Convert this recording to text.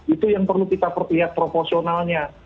itu yang perlu kita perlihat proporsionalnya